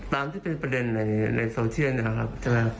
ตามที่เป็นประเด็นในโซเชียลนะครับใช่ไหม